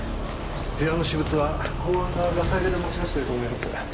部屋の私物は公安がガサ入れで持ち出してると思います。